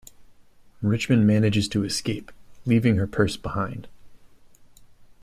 Richman manages to escape, leaving her purse behind.